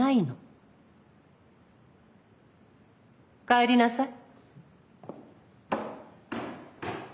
帰りなさい。